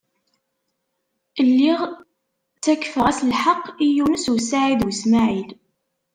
Lliɣ ttakfeɣ-as lḥeqq i Yunes u Saɛid u Smaɛil.